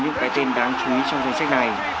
những cái tên đáng chú ý trong danh sách này